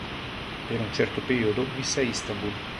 Per un certo periodo visse a Istanbul.